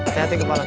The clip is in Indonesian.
sehat ya kepala bu